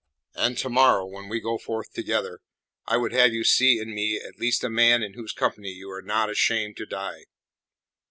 And tomorrow when we go forth together, I would have you see in me at least a man in whose company you are not ashamed to die."